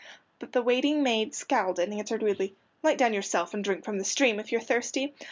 But the waiting maid scowled and answered rudely, "Light down yourself, and drink from the stream, if you are thirsty.